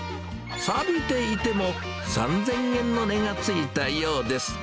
さびていても、３０００円の値がついたようです。